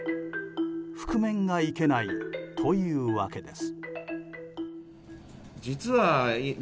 覆面がいけないというわけです。